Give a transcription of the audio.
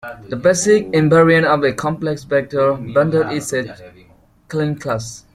The basic invariant of a complex vector bundle is a Chern class.